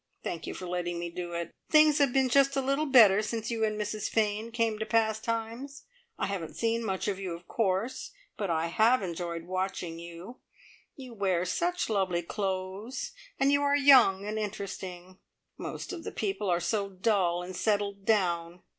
Thank you for letting me do it. Things have been just a little better since you and Mrs Fane came to `Pastimes'. I haven't seen much of you, of course, but I have enjoyed watching you. You wear such lovely clothes, and you are young and interesting. Most of the people are so dull and settled down.